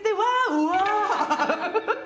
うわ。